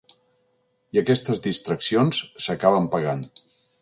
I aquestes distraccions, s’acaben pagant.